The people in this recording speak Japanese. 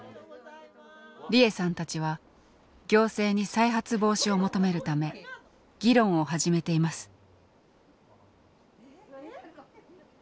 利枝さんたちは行政に再発防止を求めるため議論を始めています。